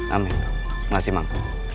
amin makasih mama